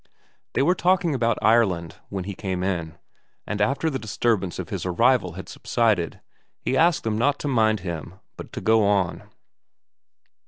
They were talking about Ireland when he came in, and after the disturbance of his arrival had subsided he asked them not to mind him but to go on.